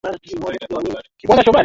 Miungano ya mifumo ya karo choo cha shimo